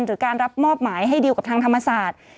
หรือการรับมอบหมายให้ดิวกับทางธรรมศาสตร์